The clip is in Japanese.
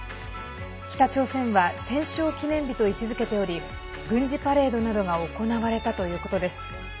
北朝鮮は戦勝記念日と位置づけており軍事パレードなどが行われたということです。